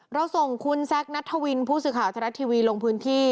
เราส่งคุณแซคนัทธวินผู้สื่อข่าวทรัฐทีวีลงพื้นที่